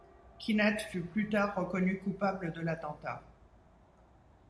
Kynette fut plus tard reconnu coupable de l'attentat.